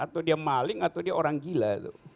atau dia maling atau dia orang gila